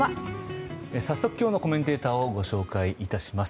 早速、今日のコメンテーターをご紹介します。